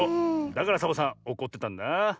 だからサボさんおこってたんだ。